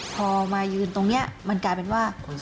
พอมายืนตรงนี้มันกลายเป็นว่า